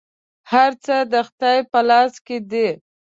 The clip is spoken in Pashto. هر څه د خدای په لاس کي دي .